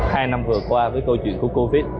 hai năm vừa qua với câu chuyện của covid